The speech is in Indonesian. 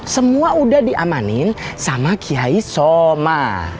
semua udah diamanin sama kiai soma